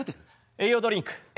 栄養ドリンク？